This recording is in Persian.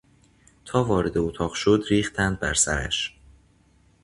تا وارد اتاق شد ریختند بر سرش.